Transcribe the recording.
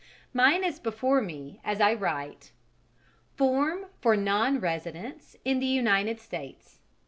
Mine is before me as I write: "Form for nonresidents in the United States.